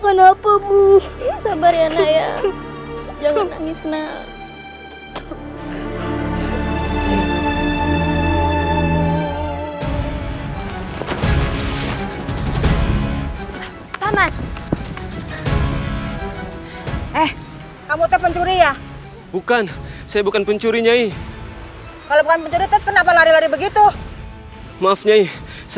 kanda tidak bisa menghadapi rai kenterimanik